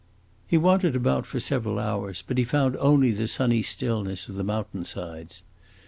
He wandered about for several hours, but he found only the sunny stillness of the mountain sides.